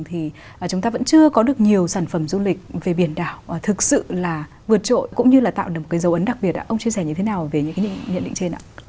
thì chúng ta vẫn chưa có được nhiều sản phẩm du lịch về biển đảo thực sự là vượt trội cũng như là tạo được một cái dấu ấn đặc biệt ông chia sẻ như thế nào về những cái nhận định trên ạ